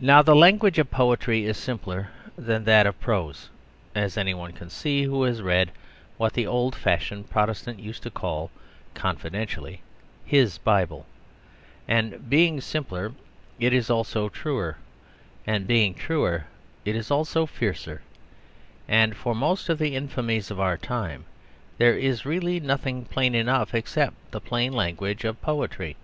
Now, the language of poetry is simpler than that of prose; as anyone can see who has read what the old fashioned protestant used to call confidently "his" Bible. And, being simpler, it is also truer; and, being truer, it is also fiercer. And, for most of the infamies of our time, there is really nothing plain enough, except the plain language of poetry.